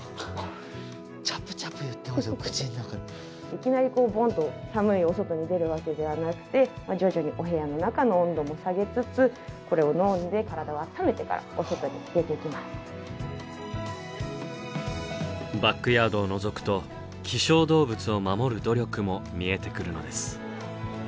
いきなりボンと寒いお外に出るわけではなくてまあ徐々にお部屋の中の温度も下げつつこれを飲んでバックヤードをのぞくと希少動物を守る努力も見えてくるのです。